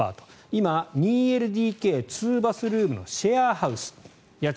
今、２ＬＤＫ２バスルームのシェアハウス家賃